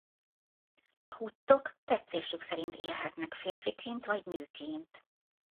A huttok tetszésük szerint élhetnek férfiként vagy nőként.